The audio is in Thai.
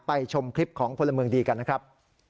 ชมคลิปของพลเมืองดีกันนะครับ